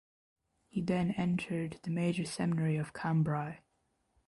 He then entered the Major Seminary of Cambrai.